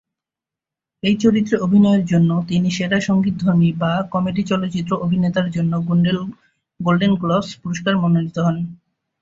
এই চরিত্রে অভিনয়ের জন্য তিনি সেরা সঙ্গীতধর্মী বা কমেডি চলচ্চিত্র অভিনেতার জন্য গোল্ডেন গ্লোব পুরস্কারে মনোনীত হন।